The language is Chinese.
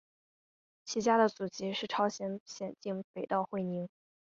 其家的祖籍是朝鲜咸镜北道会宁。